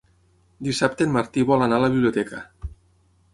Dissabte en Martí vol anar a la biblioteca.